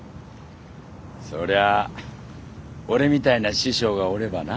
そりゃあ俺みたいな師匠がおればな。